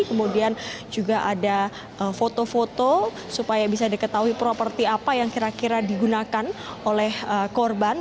kemudian juga ada foto foto supaya bisa diketahui properti apa yang kira kira digunakan oleh korban